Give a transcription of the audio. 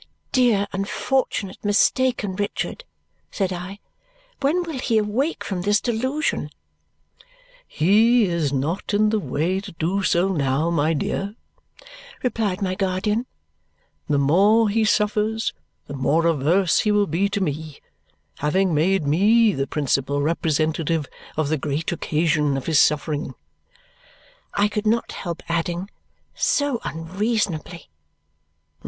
"Dear, unfortunate, mistaken Richard," said I. "When will he awake from his delusion!" "He is not in the way to do so now, my dear," replied my guardian. "The more he suffers, the more averse he will be to me, having made me the principal representative of the great occasion of his suffering." I could not help adding, "So unreasonably!"